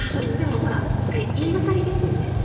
でもほらそれ言い掛かりですよね？